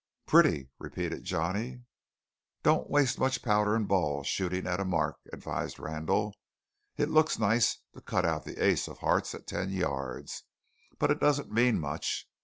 "Pretty," repeated Johnny. "Don't waste much powder and ball shooting at a mark," advised Randall. "It looks nice to cut out the ace of hearts at ten yards, but it doesn't mean much.